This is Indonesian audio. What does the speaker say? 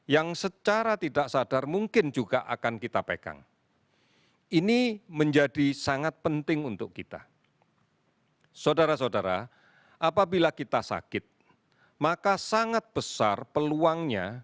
yang secara tidak sadar mungkin juga akan kita lupakan